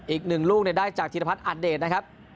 อีก๑ลูกได้จากธิรพัทอัดเดทนะครับ